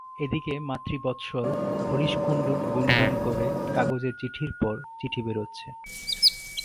এ দিকে মাতৃবৎসল হরিশ কুণ্ডুর গুণগান করে কাগজে চিঠির পর চিঠি বেরোচ্ছে।